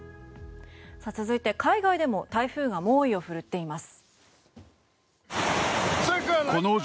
続いて、海外でも台風が猛威を振るっています。